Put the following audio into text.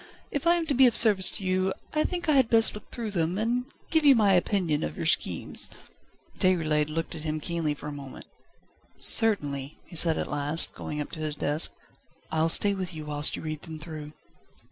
If I am to be of service to you I think I had best look through them, and give you my opinion of your schemes." Déroulède looked at him keenly for a moment. "Certainly," he said at last, going up to his desk. "I'll stay with you whilst you read them through."